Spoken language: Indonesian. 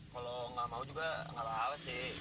kalo gak mau juga gak apa apa sih